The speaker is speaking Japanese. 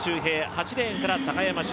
８レーンから高山峻